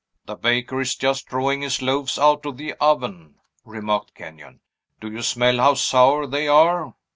"The baker is just drawing his loaves out of the oven," remarked Kenyon. "Do you smell how sour they are?